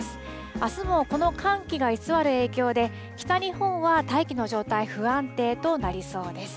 あすもこの寒気が居座る影響で、北日本は大気の状態、不安定となりそうです。